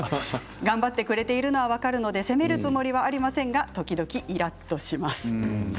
頑張ってくれているのは分かるので責めるつもりはありませんが時々イラっとします。